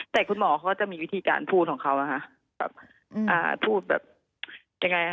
แต่คุณหมอก็จะมีวิธีการพูดของเค้าค่ะ